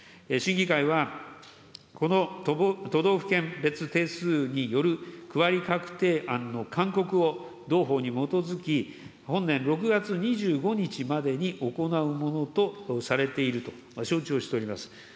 審議会は、この都道府県別定数による区割り確定案の勧告を同法に基づき、本年６月２５日までに行うものとされていると承知をしております。